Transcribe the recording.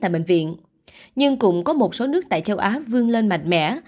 dịch viện nhưng cũng có một số nước tại châu á vươn lên mạnh mẽ